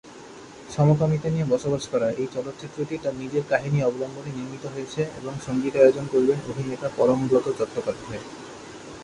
সমকামিতা নিয়ে বসবাস করা এই চলচ্চিত্রটি তার নিজের কাহিনী অবলম্বনে নির্মিত হয়েছে এবং সংগীতায়োজন করবেন অভিনেতা পরমব্রত চট্টোপাধ্যায়।